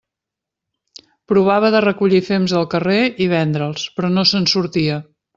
Provava de recollir fems del carrer i vendre'ls, però no se'n sortia.